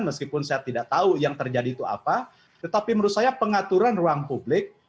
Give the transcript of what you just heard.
meskipun saya tidak tahu yang terjadi itu apa tetapi menurut saya pengaturan ruang publik